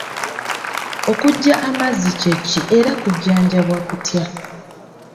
Okuggya amazzi kye ki era kujjanjabwa kutya?